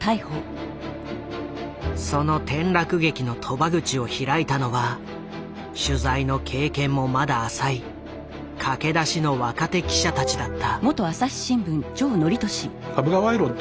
その転落劇のとば口を開いたのは取材の経験もまだ浅い駆け出しの若手記者たちだった。